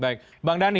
baik bang dhani